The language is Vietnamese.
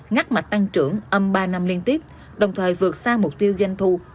ngắt mạch tăng trưởng âm ba năm liên tiếp đồng thời vượt sang mục tiêu danh thu